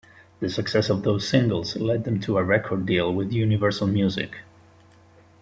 The success of those singles led them to a record deal with Universal Music.